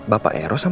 mak emang ke rumah